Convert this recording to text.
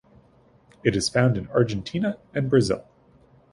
It is found in Argentina and Brazil.